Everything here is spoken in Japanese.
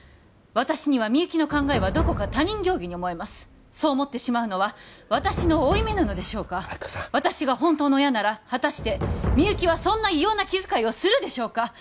私にはみゆきの考えはどこか他人行儀に思えますそう思ってしまうのは私の負い目なのでしょうか亜希子さん私が本当の親なら果たしてみゆきはそんな異様な気遣いをするでしょうか？